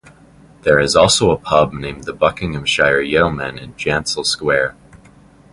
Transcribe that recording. There is also a Pub named 'The Buckinghamshire Yeoman' in Jansel Square.